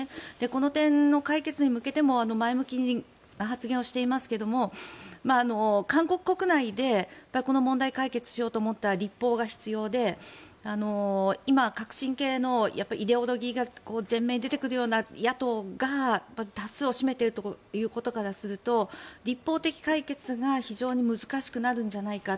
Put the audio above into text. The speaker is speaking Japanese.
この点の解決に向けても前向きな発言をしていますが韓国国内でこの問題を解決しようと思ったら立法が必要で今、革新系のイデオロギーが前面に出てくるような野党が多数を占めているということからすると立法的解決が非常に難しくなるんじゃないか。